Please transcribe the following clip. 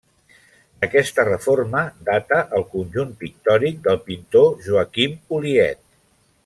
D'aquesta reforma data el conjunt pictòric del pintor Joaquim Oliet.